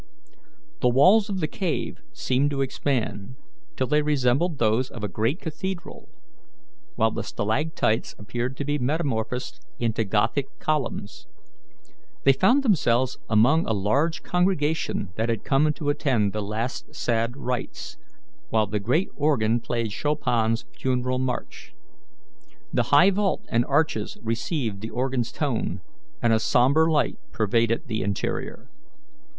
The walls of the cave seemed to expand, till they resembled those of a great cathedral, while the stalactites appeared to be metamorphosed into Gothic columns. They found themselves among a large congregation that had come to attend the last sad rites, while the great organ played Chopin's "Funeral March." The high vault and arches received the organ's tone, and a sombre light pervaded the interior.